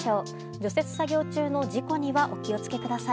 除雪作業中の事故にはお気を付けください。